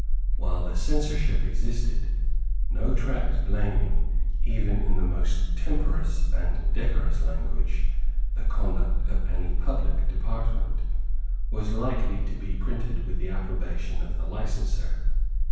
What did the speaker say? While the censorship existed, no tract blaming, even in the most temperate and decorous language, the conduct of any public department, was likely to be printed with the approbation of the licenser.